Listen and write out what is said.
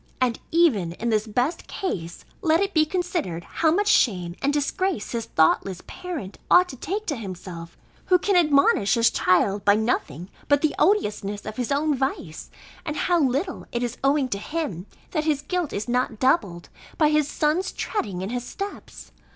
And even in this best case, let it be considered, how much shame and disgrace his thoughtless parent ought to take to himself, who can admonish his child by nothing but the odiousness of his own vice; and how little it is owing to him, that his guilt is not doubled, by his son's treading in his steps!